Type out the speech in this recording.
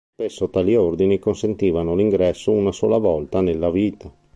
Spesso tali ordini consentivano l'ingresso una sola volta nella vita.